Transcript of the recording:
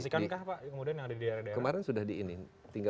kemarin sudah di ini